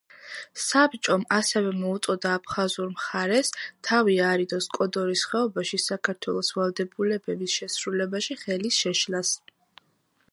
საბჭომ, ასევე მოუწოდა აფხაზურ მხარეს თავი აარიდოს კოდორის ხეობაში საქართველოს ვალდებულებების შესრულებაში ხელის შეშლას.